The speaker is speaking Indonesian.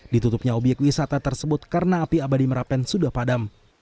ditutupnya obyek wisata tersebut karena api abadi merapen sudah padam